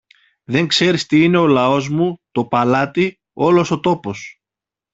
Δεν ξέρεις τι είναι ο λαός μου, το παλάτι, όλος ο τόπος.